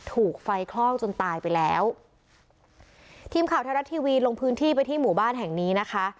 ถูกไฟคลอกจนตายไปแล้วทีมข่าวไทยรัฐทีวีลงพื้นที่ไปที่หมู่บ้านแห่งนี้นะคะ